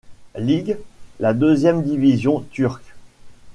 Lig, la deuxième division turque.